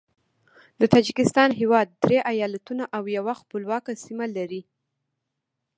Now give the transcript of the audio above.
د تاجکستان هیواد درې ایالتونه او یوه خپلواکه سیمه لري.